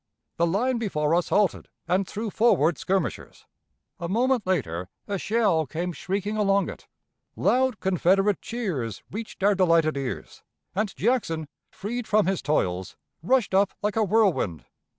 The line before us halted and threw forward skirmishers. A moment later a shell came shrieking along it, loud Confederate cheers reached our delighted ears, and Jackson, freed from his toils, rushed up like a whirlwind."